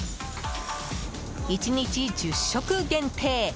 １日１０食限定！